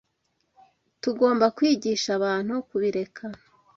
tugomba kwigisha abantu kubireka